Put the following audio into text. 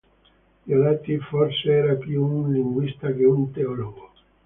Diodati, forse, era più un linguista che un teologo.